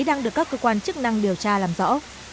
đang được các cơ quan chức năng điều tra làm rõ